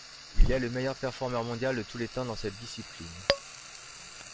Il est le meilleur performeur mondial de tous les temps dans cette discipline.